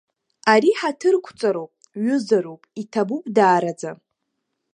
Ари ҳаҭырқәҵароуп, ҩызароуп, иҭабуп даараӡа.